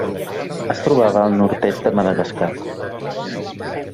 Es trobava al nord-est de Madagascar.